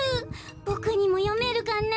ボクにもよめるかな。